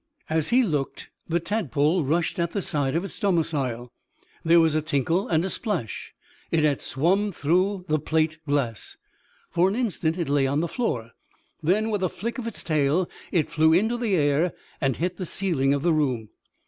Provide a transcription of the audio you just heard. As he looked, the tadpole rushed at the side of its domicile. There was a tinkle and a splash. It had swum through the plate glass! For an instant it lay on the floor. Then, with a flick of its tail, it flew into the air and hit the ceiling of the room.